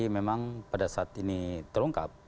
memang pada saat ini terungkap